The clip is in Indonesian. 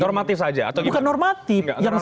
normatif saja bukan normatif